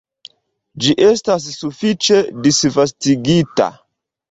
Ĝi estas sufiĉe disvastigita.